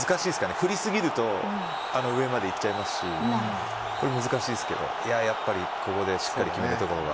振りすぎると上までいっちゃいますしこれ、難しいですけどやっぱりここでしっかり決めるところが。